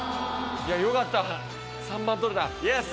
いやよかった３番取れたイエス！